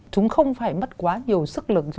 chúng không phải mất quá nhiều sức lực